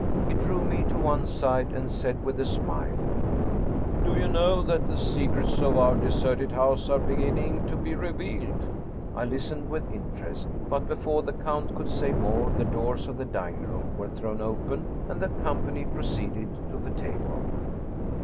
He drew me to one side and said, with a smile, " Do you know that the secrets of our deserted house are beginning to be revealed?" I listened with interest; but before the count could say more the doors of the dining room were thrown open, and the company proceeded to the table.